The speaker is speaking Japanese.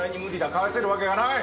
返せるわけがない！